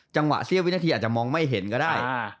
เสี้ยวินาทีอาจจะมองไม่เห็นก็ได้